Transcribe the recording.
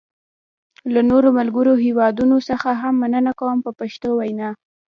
له نورو ملګرو هېوادونو څخه هم مننه کوم په پښتو وینا.